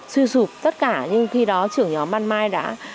suy sụp tất cả nhưng khi đó trưởng nhóm ban mai đã đi tìm được